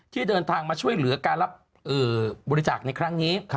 ที่เดินทางมาช่วยเหลือการรับบริจาคในครั้งนี้